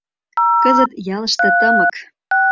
Кызыт ялыште тымык.